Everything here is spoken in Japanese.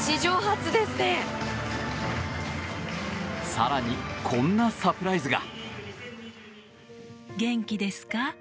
更に、こんなサプライズが。